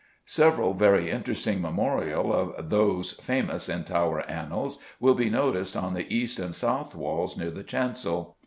Several very interesting memorials of those famous in Tower annals will be noticed on the east and south walls near the chancel.